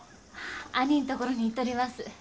兄のところに行っとります。